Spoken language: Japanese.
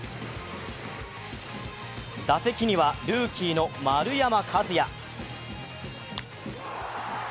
打席には、ルーキーの丸山和郁。